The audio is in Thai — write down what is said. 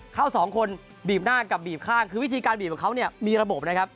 เขาสองคนบีบหน้ากับบีบข้างคือวิธีการบีบของเขาเนี่ยมีระบบนะครับ